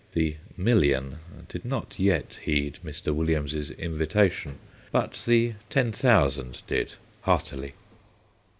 The "Million" did not yet heed Mr. Williams' invitation, but the Ten Thousand did, heartily.